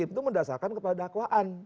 berdasarkan kepada dakwaan